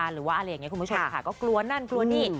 หรือว่าอะไรอย่างนี้คุณผู้ชมค่ะก็กลัวนั่นกลัวนี่